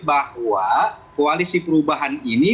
bahwa koalisi perubahan ini